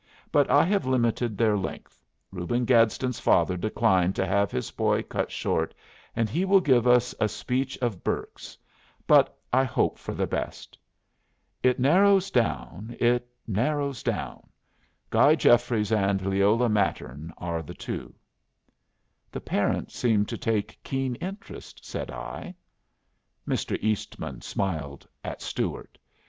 But I have limited their length. Reuben Gadsden's father declined to have his boy cut short, and he will give us a speech of Burke's; but I hope for the best. It narrows down, it narrows down. Guy Jeffries and Leola Mattern are the two." "The parents seem to take keen interest," said I. Mr. Eastman smiled at Stuart.